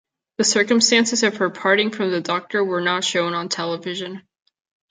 The circumstances of her parting from the Doctor were not shown on television.